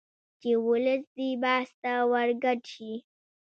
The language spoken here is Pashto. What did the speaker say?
چې ولس دې بحث ته ورګډ شي